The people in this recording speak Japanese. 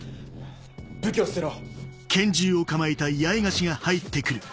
武器を捨てろ。